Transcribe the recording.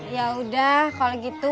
yaudah kalau gitu